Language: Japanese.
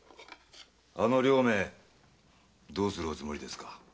あの両名どうするおつもりですか？